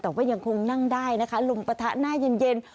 แต่ว่ายังคงนั่งได้นะคะลุมปะทะหน้าเย็น